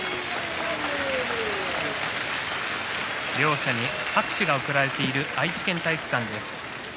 拍手両者に拍手が送られている愛知県体育館です。